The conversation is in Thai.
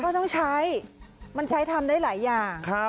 ก็ต้องใช้ใช้ทำได้หลายอย่างครับ